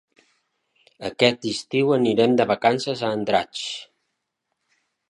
Aquest estiu anirem de vacances a Andratx.